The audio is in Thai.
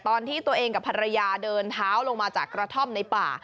ตอนที่ตัวเองกับภรรยาเดินเท้าลงมาจากกระท่อมในป่า